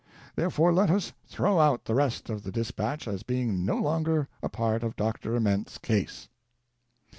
Therefore let us throw out the rest of the dis patch as being no longer a part of Dr. Ament's case.